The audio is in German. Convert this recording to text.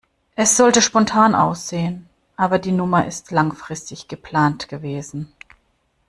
Es sollte spontan aussehen, aber die Nummer ist langfristig geplant gewesen.